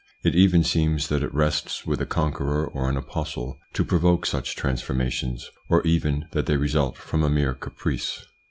It even seems that it rests with a conqueror or an apostle to provoke such transformations, or even that they result from a mere caprice.